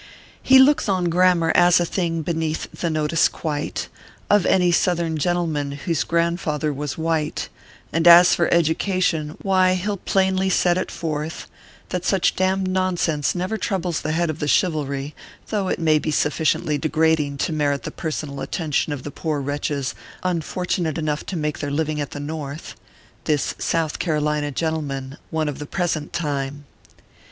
He looks on grammar as a thing beneath the notice quite Of any Southern gentleman whose grandfather was white ; And as for education why, he ll plainly set it forth, That such d d nonsense never troubles the heads of the Chivalry ; though it may be sufficiently degrading to merit the per sonal attention of the poor wretches unfortunate enough to make their living at the North This South Carolina gentleman, One of the present time.